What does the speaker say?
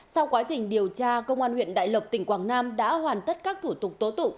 sau quá trình điều tra công an huyện đại lộc tỉnh quảng nam đã hoàn tất các thủ tục tố tụng